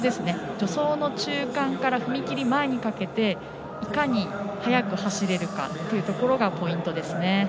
助走の中間から踏み切り前にかけていかに速く走れるかというところがポイントですね。